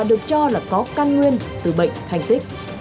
được cho là có căn nguyên từ bệnh thành tích